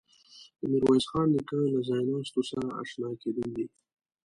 له میرویس خان نیکه له ځایناستو سره آشنا کېدل دي.